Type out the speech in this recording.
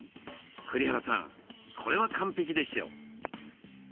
栗原さんこれは完璧でしょう？